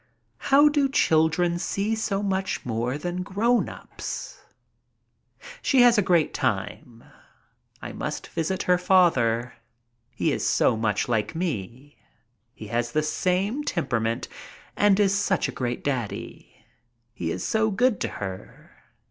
How do children see so much more than grown ups? She has a great time. I must visit her father; he is so much like me. He has the same temperament, and is such a great daddy. He is so good to her.